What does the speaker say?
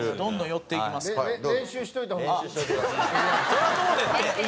そりゃそうですって。